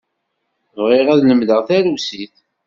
Bɣiɣ ad lemdeɣ tarusit.